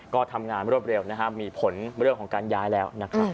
ก็ทำงานรวบเร็วมีผลเรื่องของการย้ายแล้ว